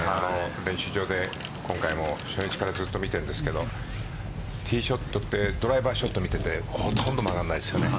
練習場で、今回も初日からずっと見てるんですけどティーショットドライバーショットを見ていてほとんど曲がらないですよね。